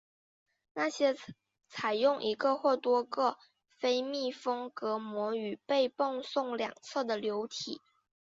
那些采用一个或多个非密封隔膜与被泵送两侧的流体。